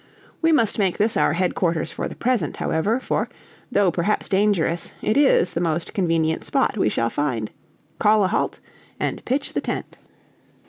We must make this our headquarters for the present, however; for, though perhaps dangerous, it is the most convenient spot we shall find. Call a halt and pitch the tent."